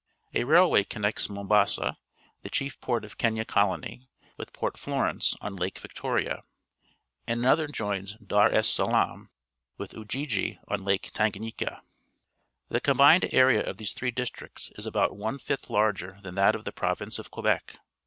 A railway cormects Mombasa, the chief port of Kenya Colony, with Port Florence on Lake Mctoria, and another joins Dar es Salaam with Ujiji on Lake Tanganyika. The combined area of these three districts is about one fifth larger than that of the Pro\ince of Quebec.